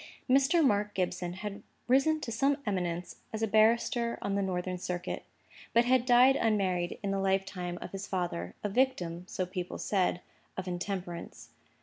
Mr. Mark Gibson had risen to some eminence as a barrister on the Northern Circuit, but had died unmarried in the lifetime of his father, a victim (so people said) to intemperance.